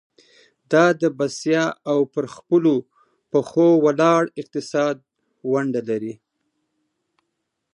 دا د بسیا او پر خپلو پخو ولاړ اقتصاد ونډه لري.